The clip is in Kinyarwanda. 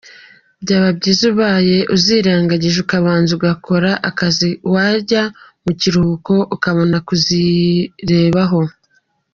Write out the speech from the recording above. Byaba byiza ubaye uzirengagije ukabanza ugakora akazi wajya mu karuhuko ukabona kuzirebaho.